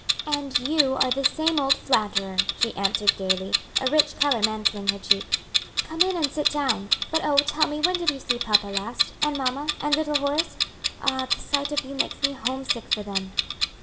"And you are the same old flatterer," she answered gayly, a rich color mantling her cheek. "Come in and sit down. But oh, tell me when did you see papa last? and mamma, and little Horace? Ah! the sight of you makes me homesick for them."